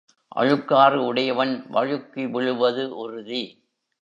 அழுக்காறு உடையவன் வழுக்கி விழுவது உறுதி.